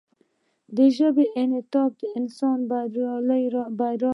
د ژبې انعطاف د انسان د بریا راز و.